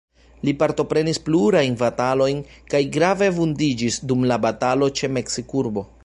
Li partoprenis plurajn batalojn, kaj grave vundiĝis dum la batalo ĉe Meksikurbo.